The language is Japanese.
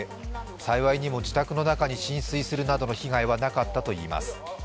幸いにも自宅の中に浸水するなどの被害はなかったといいます。